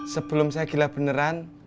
sebelum saya gila beneran